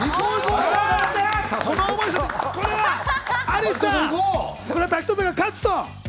アリスさん、これは滝藤さんが勝つと。